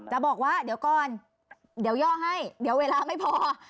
จะบอกว่าเดี๋ยวก่อนเดี๋ยวย่อให้เดี๋ยวเวลาไม่พอ